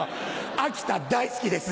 秋田大好きです